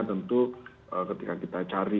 tentu ketika kita cari